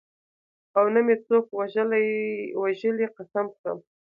او نه مې څوک وژلي قسم خورم.